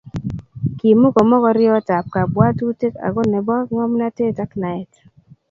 Kimuko mogoriotab kabwatutik ako nebo ngomnatet ak naet